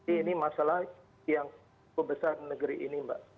ini masalah yang kebesar negeri ini mbak